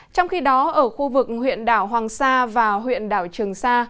trong khi đó ở khu vực huyện đảo hoàng sa và huyện đảo trường sa